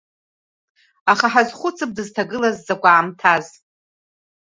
Аха ҳазхәыцып дызҭагылаз закә аамҭаз.